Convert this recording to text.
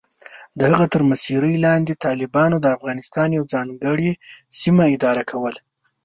د هغه تر مشرۍ لاندې، طالبانو د افغانستان یوه ځانګړې سیمه اداره کوله.